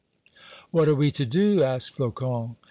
"What are we to do?" asked Flocon.